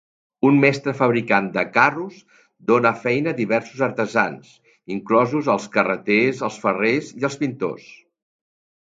Un mestre fabricant de carros dona feina a diversos artesans, inclosos els carreters, els ferrers i els pintors.